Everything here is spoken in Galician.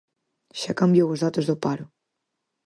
Xa cambiou os datos do paro.